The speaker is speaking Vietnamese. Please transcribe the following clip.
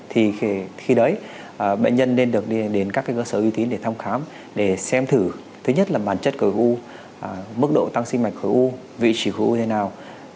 thì khi đấy bệnh nhân nên được đến các cái cơ sở ưu tín để thăm khám để xem thử thứ nhất là bản chất của cái u mức độ tăng sinh mạch của cái u vị trí của cái u thế nào